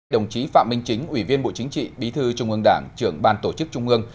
đồng chí phạm minh chính ủy viên bộ chính trị bí thư trung ương đảng trưởng ban tổ chức trung ương